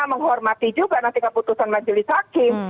menghormati juga nanti keputusan majelis hakim